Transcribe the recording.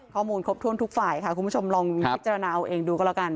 ครบถ้วนทุกฝ่ายค่ะคุณผู้ชมลองพิจารณาเอาเองดูก็แล้วกัน